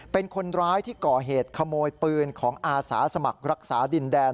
เป็นคนร้ายที่ก่อเหตุขโมยปืนของอาสาสมัครรักษาดินแดน